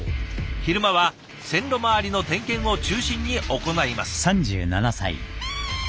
昼間は線路周りの点検を中心に行います。